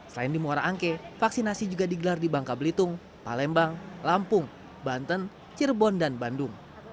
selain di muara angke vaksinasi juga digelar di bangka belitung palembang lampung banten cirebon dan bandung